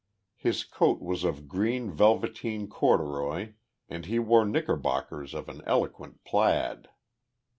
His coat was of green velveteen corduroy and he wore knickerbockers of an eloquent plaid.